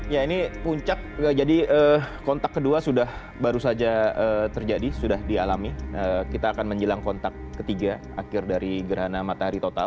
ya ini puncak jadi kontak kedua sudah baru saja terjadi sudah dialami kita akan menjelang kontak ketiga akhir dari gerhana matahari total